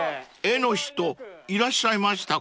［絵の人いらっしゃいましたか？］